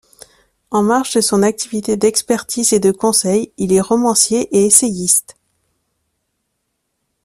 En marge de son activité d’expertise et de conseil, il est romancier et essayiste.